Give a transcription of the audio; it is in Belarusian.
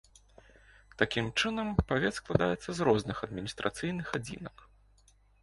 Такім чынам, павет складаецца з розных адміністрацыйных адзінак.